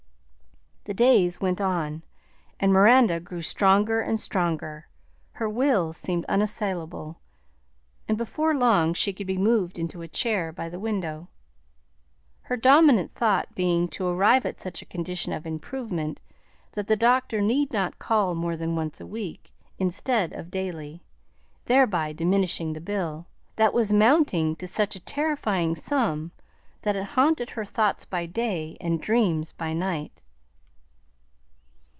The days went on, and Miranda grew stronger and stronger; her will seemed unassailable, and before long she could be moved into a chair by the window, her dominant thought being to arrive at such a condition of improvement that the doctor need not call more than once a week, instead of daily; thereby diminishing the bill, that was mounting to such a terrifying sum that it haunted her thoughts by day and dreams by night.